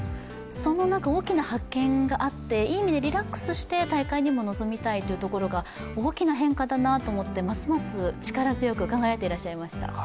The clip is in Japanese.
その大きな発見があっていい意味でリラックスして大会にも臨みたいというところが、大きな変化だなと思ってますます力強く輝いていらっしゃいました。